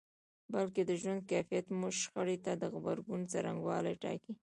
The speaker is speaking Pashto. بلکې د ژوند کيفیت مو شخړې ته د غبرګون څرنګوالی ټاکي.